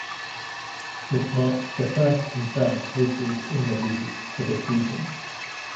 It marked the first confirmed cases in the league for the season.